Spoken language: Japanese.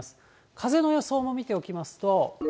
風の予想も見ておきますと。